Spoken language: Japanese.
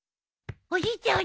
おじいちゃん